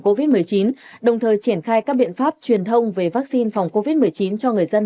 covid một mươi chín đồng thời triển khai các biện pháp truyền thông về vaccine phòng covid một mươi chín cho người dân